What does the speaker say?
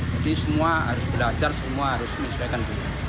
jadi semua harus belajar semua harus menyelesaikan